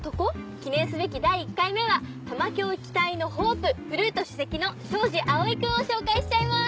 記念すべき第１回目は玉響期待のホープフルート首席の庄司蒼君を紹介しちゃいます！